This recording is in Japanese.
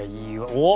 おっ！